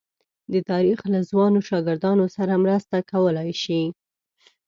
د تاریخ له ځوانو شاګردانو سره مرسته کولای شي.